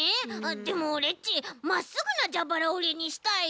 でもオレっちまっすぐなじゃばらおりにしたいよ！